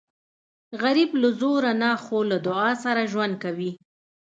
غریب له زوره نه خو له دعا سره ژوند کوي